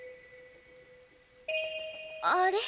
あれ？